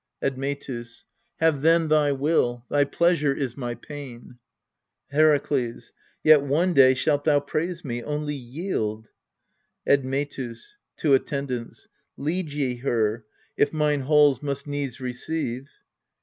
Admetus. Have then thy will : thy pleasure is my pain. Herakles. Yet one day shalt thou praise me : only yield. Admetus [to ATTENDANTS]. Lead ye her, if mine halls must needs receive.